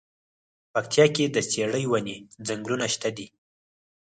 پکتيا کی د څیړۍ ونی ځنګلونه شته دی.